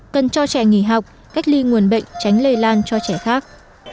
cần cho trẻ nghỉ học cách ly nguồn bệnh tránh lây lan cho trẻ khác